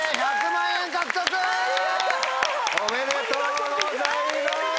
おめでとうございます！